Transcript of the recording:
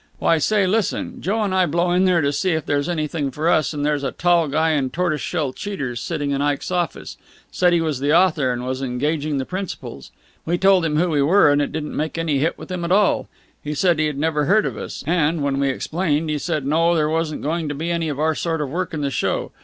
Why, say, listen! Joe and I blow in there to see if there's anything for us, and there's a tall guy in tortoise shell cheaters sitting in Ike's office. Said he was the author and was engaging the principals. We told him who we were, and it didn't make any hit with him at all. He said he had never heard of us. And, when we explained, he said no, there wasn't going to be any of our sort of work in the show.